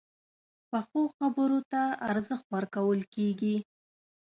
پخو خبرو ته ارزښت ورکول کېږي